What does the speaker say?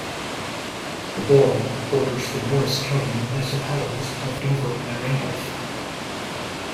The borough borders the Morris County municipalities of Dover and Randolph.